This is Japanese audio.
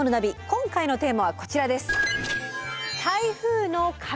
今回のテーマはこちらです。